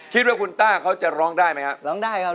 คิดว่าคุณต้าเขาจะร้องได้ไหมครับ